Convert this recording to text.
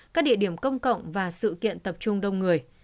các địa điểm công cộng và sự kiện tập trung đông người